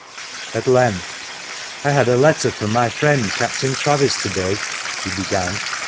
At length "I had a letter from my friend Captain Travis to day," he began.